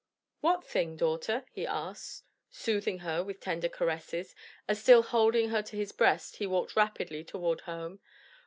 "What thing, daughter?" he asked, soothing her with tender caresses, as still holding her to his breast, he walked rapidly toward home.